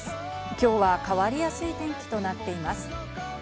今日は変わりやすい天気となっています。